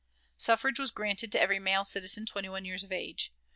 Suffrage was granted to every male citizen twenty one years of age.